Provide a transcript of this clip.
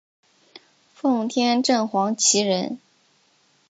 奉天正黄旗人。